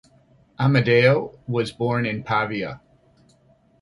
Amadeo was born in Pavia.